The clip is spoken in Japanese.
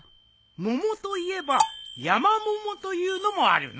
桃といえばヤマモモというのもあるの。